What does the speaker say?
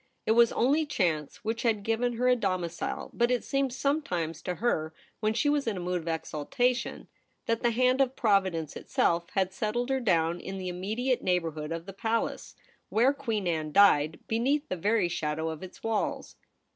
It was only chance which had given her a domicile ; but it seemed sometimes to her, when she was in a mood of exaltation, that the hand of Providence itself had settled her down in the immediate neighbourhood of the Palace where Queen Anne died, beneath the very shadow of its walls.